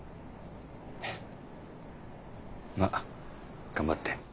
まぁ頑張って。